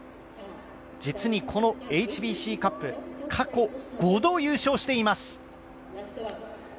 実にこのＨＢＣカップ、過去５度優勝しています。